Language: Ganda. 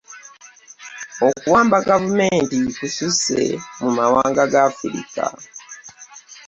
Okuwamba gavumenti kususse mu mawanga ga Africa.